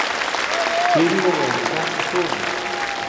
پیري وویل چې دا څه شور دی.